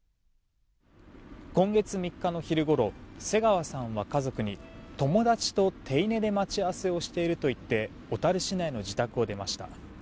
今月３日の昼ごろ瀬川さんは家族に友達と手稲で待ち合わせをしているといって小樽市内の自宅を出ました。